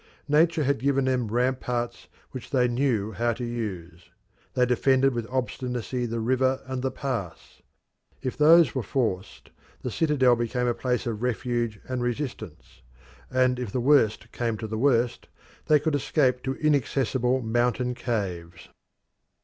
Nature had given them ramparts which they knew how to use. They defended with obstinacy the river and the pass; if those were forced the citadel became a place of refuge and resistance, and if the worst came to the worst they could escape to inaccessible mountain caves.